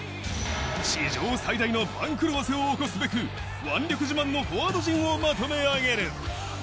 史上最大の番狂わせを起こすべく、腕力自慢のフォワード陣をまとめ上げる。